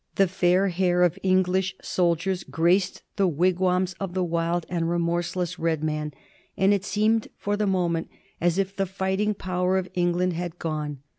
The fair hair of English soldiers graced the wigwams of the wild and re morseless Red Man, and it seemed for the moment as if the fighting power of England had gone.